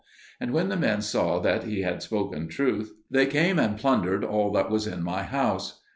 And when the men saw that he had spoken truth, they came and plundered all that was in my house.